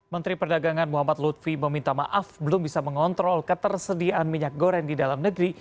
menteri perdagangan muhammad lutfi meminta maaf belum bisa mengontrol ketersediaan minyak goreng di dalam negeri